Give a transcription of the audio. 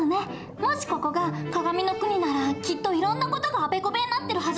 もしここが鏡の国ならきっといろんな事があべこべになってるはず。